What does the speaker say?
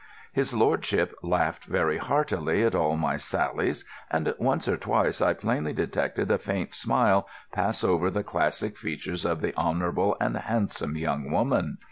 His lordship laughed very heartily at all my sallies, and once or twice I plainly detected a faint smile pass over the classic features of the honourable and handsome young woman.